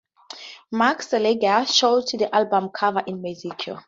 Mark Selliger shot the album cover in Mexico.